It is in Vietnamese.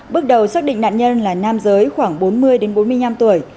bước đầu xác định nạn nhân là nam giới khoảng bốn mươi bốn mươi năm tuổi